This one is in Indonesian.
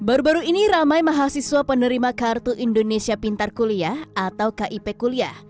baru baru ini ramai mahasiswa penerima kartu indonesia pintar kuliah atau kip kuliah